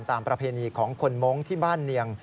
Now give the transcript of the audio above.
ประเพณีของคนมงค์ที่บ้านเนียง